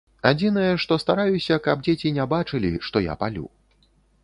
Адзінае, што стараюся, каб дзеці не бачылі, што я палю.